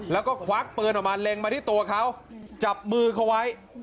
แล้วก็ควักปืนออกมาเล็งมาที่ตัวเขาจับมือเขาไว้